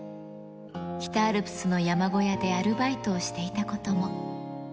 北アルプスの山小屋でアルバイトをしていたことも。